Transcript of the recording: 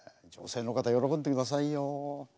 女性の方喜んでくださいよ。